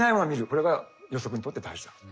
これが予測にとって大事だろうと。